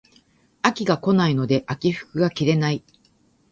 秋が来ないので秋服が着れない